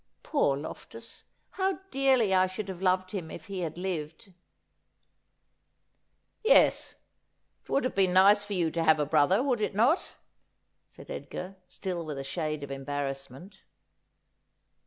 Poor Lof tus ! How dearly I should have loved him if he had lived !'' Yes ; it would have been nice for you to have a brother, would it not ?' said Edgar, still with a shade of embarrassment.